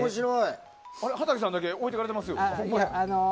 はたけさんだけ置いてかれていますよ。